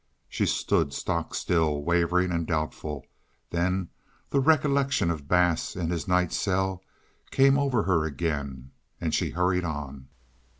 She stood stock still, wavering and doubtful; then the recollection of Bass in his night cell came over her again, and she hurried on.